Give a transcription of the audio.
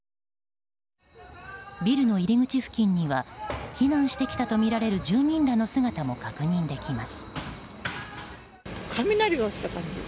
ビルの入り口付近には避難してきたとみられる住民らの姿も確認できます。